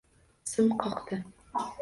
Sim qoqdi